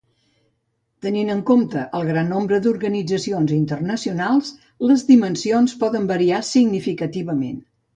Tenint en compte el gran nombre d'organitzacions internacionals, les dimensions poden variar significativament.